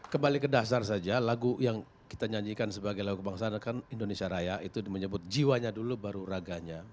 kembali ke dasar saja lagu yang kita nyanyikan sebagai lagu kebangsaan kan indonesia raya itu menyebut jiwanya dulu baru raganya